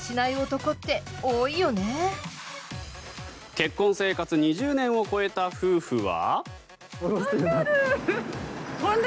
結婚生活２０年を超えた夫婦は。